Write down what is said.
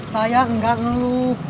saya enggak ngeluh